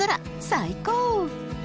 最高！